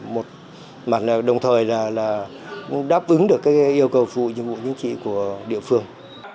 một mặt đồng thời là đáp ứng được yêu cầu nhiệm vụ chính trị của địa phương